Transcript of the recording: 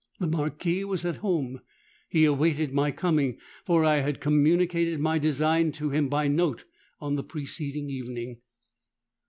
The Marquis was at home: he awaited my coming—for I had communicated my design to him by note on the preceding evening.